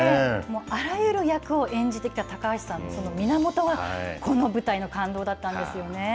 あらゆる役を演じてきた高橋さんの、その源は、この舞台の感動だったんですよね。